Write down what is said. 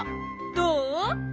どう？